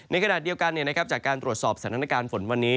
ในขณะเดียวกันจากการตรวจสอบสถานการณ์ฝนวันนี้